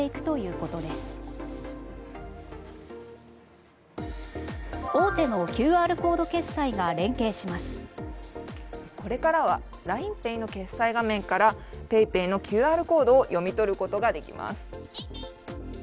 これからはＬＩＮＥＰａｙの決済画面からＰａｙＰａｙのＱＲコードを読み取ることができます。